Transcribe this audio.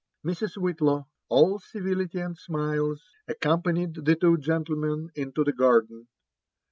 Mrs. Whitlaw, all civility and smiles, accompanied the two geolle men into the garden.